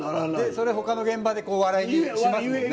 それ他の現場でこう笑いにしますもんね。